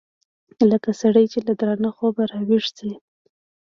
لکه سړى چې له درانه خوبه راويښ سي.